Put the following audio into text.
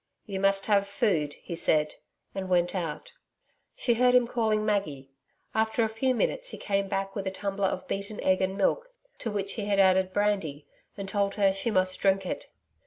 'You must have food,' he said, and went out. She heard him calling Maggie. After a few minutes he came back with a tumbler of beaten egg and milk, to which he had added brandy, and told her she must drink it.